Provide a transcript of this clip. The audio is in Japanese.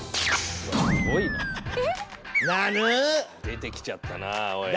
出てきちゃったなおい。